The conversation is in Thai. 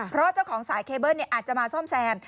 เพราะเจ้าของสายเคเบิ้ลอาจจะมาซ่อมแซม